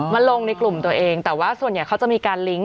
ลงในกลุ่มตัวเองแต่ว่าส่วนใหญ่เขาจะมีการลิงก์